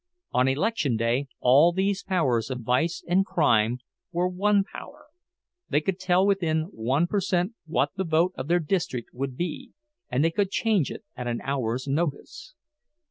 On election day all these powers of vice and crime were one power; they could tell within one per cent what the vote of their district would be, and they could change it at an hour's notice.